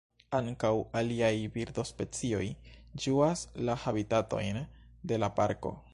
Ankaŭ aliaj birdospecioj ĝuas la habitatojn de la parko.